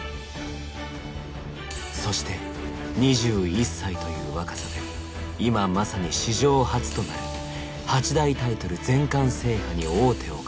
そして２１歳という若さで今まさに史上初となる八大タイトル全冠制覇に王手をかけていた。